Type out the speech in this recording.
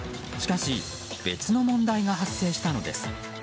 しかし、別の問題が発生したのです。